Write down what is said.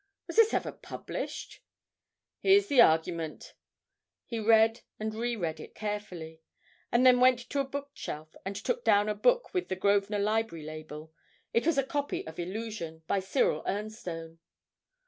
Was this ever published? Here's the argument.' He read and re read it carefully, and then went to a bookshelf and took down a book with the Grosvenor Library label; it was a copy of 'Illusion,' by Cyril Ernstone.